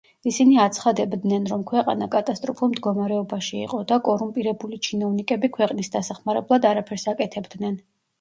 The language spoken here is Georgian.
ისინი აცხადებდნენ, რომ „ქვეყანა კატასტროფულ“ მდგომარეობაში იყო და „კორუმპირებული ჩინოვნიკები“ ქვეყნის დასახმარებლად არაფერს აკეთებდნენ.